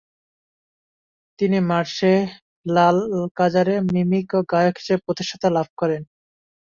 তিনি মার্সেইয়ে লালকাজারে মিমিক ও গায়ক হিসেবে প্রতিষ্ঠা লাভ করেন।